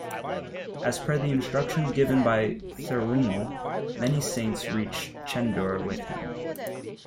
As per the instructions given by Thirumal, many saints reached Chendur with him.